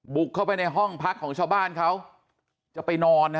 บุกเข้าไปในห้องพักของชาวบ้านเขาจะไปนอน